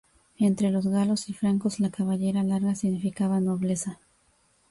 Entre los galos y francos, la cabellera larga significaba nobleza.